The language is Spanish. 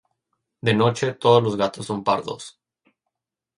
De noche, todos los gatos son pardos.